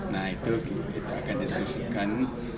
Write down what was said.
nah itu kita akan diskusikan